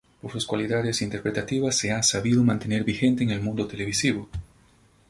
Por sus cualidades interpretativas se ha sabido mantener vigente en el mundo televisivo.